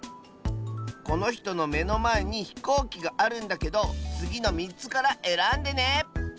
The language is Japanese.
このひとのめのまえにひこうきがあるんだけどつぎの３つからえらんでね。